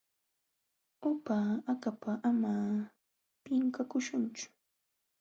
Upa akapa ama pinqakuchunchu.